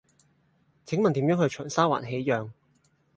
請問點樣去長沙灣喜漾